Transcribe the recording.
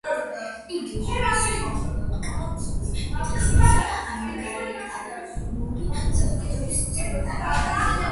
იგი რომის კათოლიკური ეკლესიისა და ანგლიკანური საზოგადოების წმინდანია.